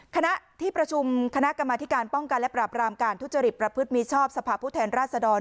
คณะที่ประชุมคณะกรรมธิการป้องกันและปราบรามการทุจริตประพฤติมีชอบสภาพผู้แทนราชดร